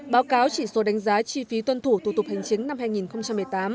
báo cáo chỉ số đánh giá chi phí tuân thủ thủ tục hành chính năm hai nghìn một mươi tám